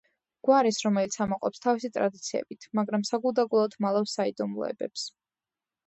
გვარის, რომელიც ამაყობს თავისი ტრადიციებით, მაგრამ საგულდაგულოდ მალავს საიდუმლოებებს.